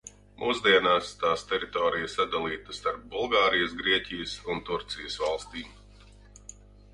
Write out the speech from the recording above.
Mūsdienās tās teritorija sadalīta starp Bulgārijas, Grieķijas un Turcijas valstīm.